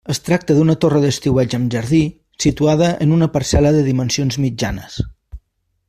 Es tracta d'una torre d'estiueig amb jardí situada en una parcel·la de dimensions mitjanes.